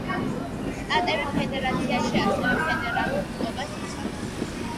შტატები ფედერაციაში ასევე ფედერალურ წყობას იცავს.